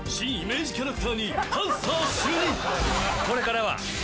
これからは。